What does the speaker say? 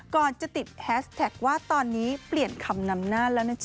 ก่อนจะติดแฮสแท็กว่าตอนนี้เปลี่ยนคำนำหน้าแล้วนะจ๊